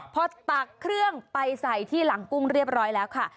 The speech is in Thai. พอตักเครื่องไปใส่ที่หลังกุ้งเรียบร้อยแล้วค่ะ